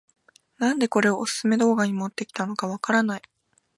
なんでこれをオススメ動画に持ってきたのかわからない